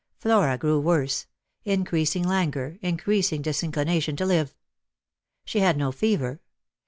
Flora grew worse ; increasing languor, increasing disinclination to live. She had no fever.